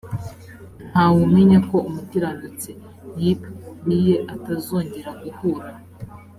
nta wumenya ko umukiranutsi yip riye atazongera guhura